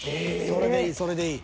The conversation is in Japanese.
それでいいそれでいい。